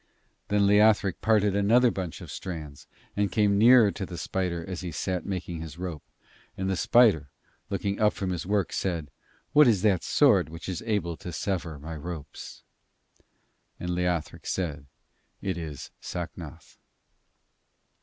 Then Leothric parted another bunch of strands, and came nearer to the spider as he sat making his rope, and the spider, looking up from his work, said: 'What is that sword which is able to sever my ropes?' And Leothric said: 'It is Sacnoth.'